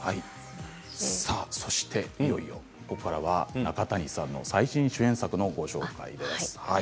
そしていよいよここからは中谷さんの最新主演作のご紹介です。